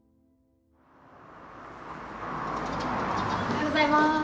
おはようございます。